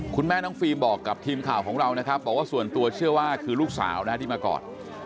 คุณแม่น้องฟิล์มบอกกับทีมข่าวของเรานะครับบอกว่าส่วนตัวเชื่อว่าคือลูกสาวนะฮะที่มากอด